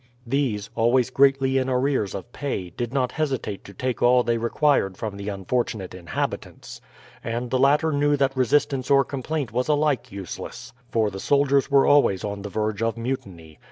These, always greatly in arrears of pay, did not hesitate to take all they required from the unfortunate inhabitants; and the latter knew that resistance or complaint was alike useless, for the soldiers were always on the verge of mutiny.